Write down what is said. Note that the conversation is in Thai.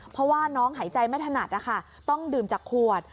เพราะว่าน้องหายใจไม่ถนัดนะคะต้องดื่มจากขวด